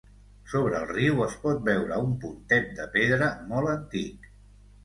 Sobre el riu es pot veure un pontet de pedra molt antic.